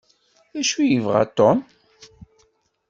D acu ay yebɣa Tom?